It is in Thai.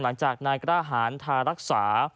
หลังจากนายกล้าหารทารักษา